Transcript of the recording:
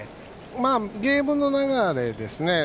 ゲームの流れですね。